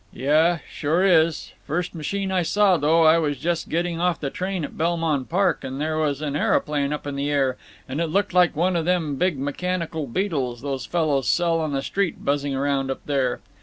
"Yuh—sure is. First machine I saw, though—I was just getting off the train at Belmont Park, and there was an areoplane up in the air, and it looked like one of them big mechanical beetles these fellows sell on the street buzzing around up there.